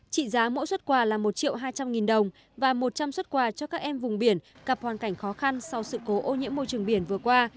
trị giá mỗi xuất quà là một triệu hai trăm linh nghìn đồng và một trăm linh xuất quà cho các em vùng biển gặp hoàn cảnh khó khăn sau sự cố ô nhiễm môi trường biển vừa qua